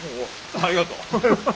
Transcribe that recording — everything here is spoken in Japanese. ありがとう。